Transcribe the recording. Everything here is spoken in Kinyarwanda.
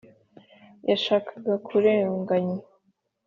yashakaga kurenganywa: